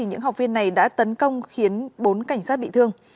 những học viên này đã tấn công khiến bốn cảnh sát bị thương